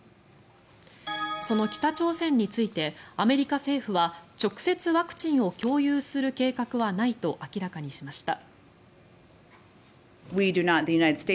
その北朝鮮についてアメリカ政府は直接ワクチンを共有する計画はないと明らかにしました。